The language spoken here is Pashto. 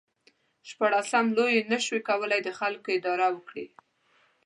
شپاړسم لویي نشو کولای د خلکو اداره وکړي.